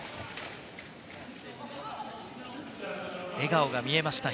笑顔が見えました